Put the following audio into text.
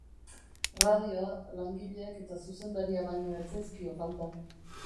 Radioa, langileak eta zuzendaria baino ez zaizkio falta.